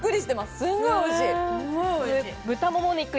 すごくおいしい！